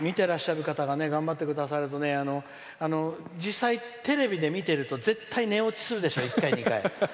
見てらっしゃる方が頑張ってくれると実際、テレビで見てると絶対、寝落ちするでしょ１回、２回。